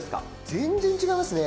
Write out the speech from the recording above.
全然、違いますね。